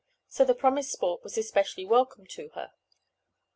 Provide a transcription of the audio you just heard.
So the promised sport was especially welcome to her.